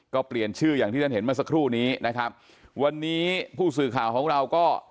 ก็เปลี่ยนชื่ออย่างที่ท่านเห็นเมื่อสักครู่นี้นะครับวันนี้ผู้สื่อข่าวของเราก็